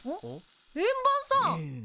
円盤さん！